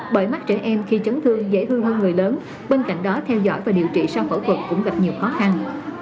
bởi mắt trẻ em khi chấn thương dễ hư hơn người lớn bên cạnh đó theo dõi và điều trị sau khẩu vực cũng gặp nhiều khó khăn